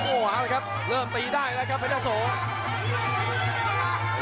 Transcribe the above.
โอ้โหครับเริ่มตีได้เลยครับเพราะเยอะโสตี